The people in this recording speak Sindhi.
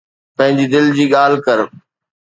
پنهنجي دل جي ڳالهه ڪر.